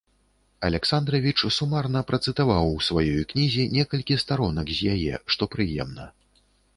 Аляксандравіч сумарна працытаваў у сваёй кнізе некалькі старонак з яе, што прыемна.